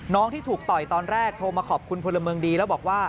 ที่ถูกต่อยตอนแรกโทรมาขอบคุณพลเมืองดีแล้วบอกว่า